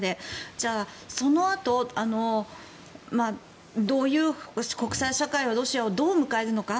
じゃあ、そのあと国際社会はロシアをどう迎えるのか。